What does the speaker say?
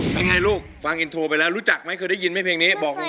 เป็นไงลูกฟังอินโทรไปแล้วรู้จักมั้ยเคยได้ยินมั้ยเพลงนี้บอกตรงตรง